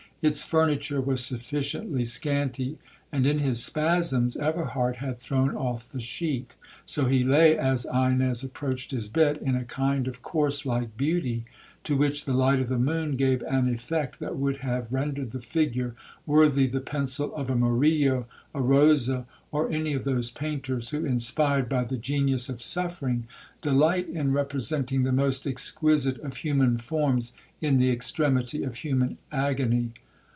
Its furniture was sufficiently scanty, and in his spasms Everhard had thrown off the sheet. So he lay, as Ines approached his bed, in a kind of corse like beauty, to which the light of the moon gave an effect that would have rendered the figure worthy the pencil of a Murillo, a Rosa, or any of those painters, who, inspired by the genius of suffering, delight in representing the most exquisite of human forms in the extremity of human agony.